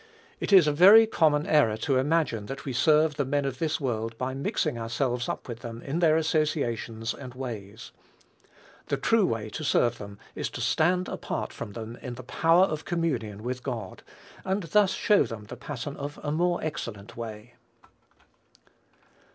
It is a very common error to imagine that we serve the men of this world by mixing ourselves up with them in their associations and ways. The true way to serve them is to stand apart from them in the power of communion with God, and thus show them the pattern of a more excellent way.